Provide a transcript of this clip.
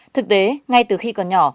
thực tế ngay từ khi còn nhỏ